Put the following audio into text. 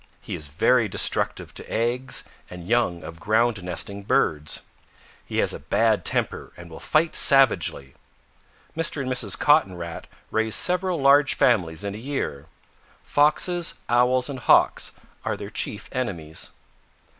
He is very destructive to eggs and young of ground nesting birds. He has a bad temper and will fight savagely. Mr. and Mrs. Cotton Rat raise several large families in a year. Foxes, Owls and Hawks are their chief enemies.